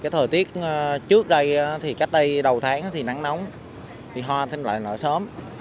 thời tiết trước đây cách đây đầu tháng thì nắng nóng hoa lại nở sớm